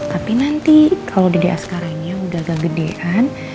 tapi nanti kalo dada asgara nya udah agak gedean